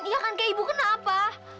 iya kan kayak ibu kenapa